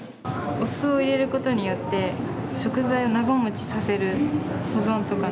お酢を入れることによって食材を長持ちさせる保存とかの。